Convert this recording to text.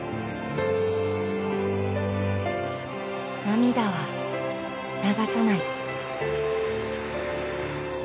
涙は流さない。